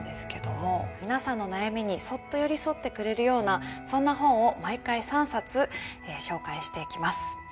皆さんの悩みにそっと寄り添ってくれるようなそんな本を毎回３冊紹介していきます。